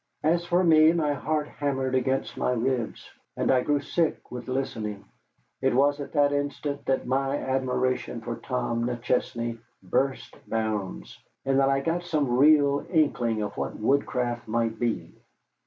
As for me, my heart hammered against my ribs, and I grew sick with listening. It was at that instant that my admiration for Tom McChesney burst bounds, and that I got some real inkling of what woodcraft might be.